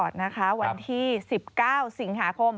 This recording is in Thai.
จบวันที่๑๙สิงฮาครม